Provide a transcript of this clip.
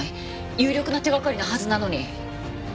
有力な手掛かりなはずなのに。